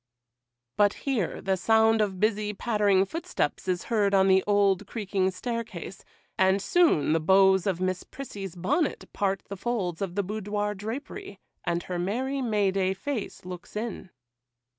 But here the sound of busy, pattering footsteps is heard on the old, creaking staircase, and soon the bows of Miss Prissy's bonnet part the folds of the boudoir drapery, and her merry, May day face looks in.